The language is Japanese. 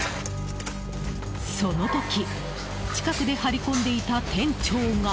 その時、近くで張り込んでいた店長が。